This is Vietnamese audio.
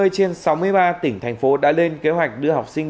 ba mươi trên sáu mươi ba tỉnh thành phố đã lên kế hoạch đưa học sinh